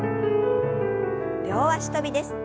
両足跳びです。